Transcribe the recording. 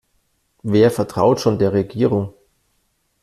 Wer vertraut schon der Regierung?